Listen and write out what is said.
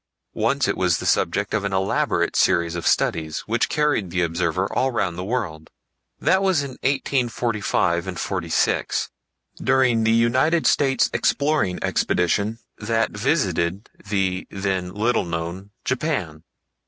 Once it was the subject of an elaborate series of studies which carried the observer all round the world. That was in 1845—46, during the United States Exploring Expedition that visited the then little known Japan.